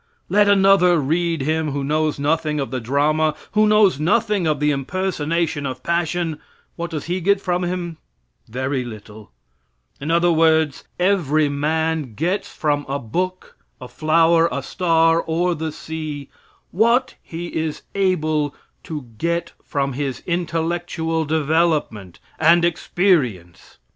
Let another read him who knows nothing of the drama, who knows nothing of the impersonation of passion; what does he get from him? Very little. In other words, every man gets from a book, a flower, a star, or the sea, what he is able to get from his intellectual development and experience.